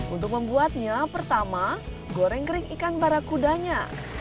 untuk membuatnya pertama goreng kering ikan barakudanya